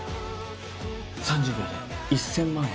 ３０秒で１０００万円